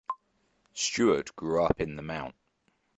Stewart grew up in the Mt.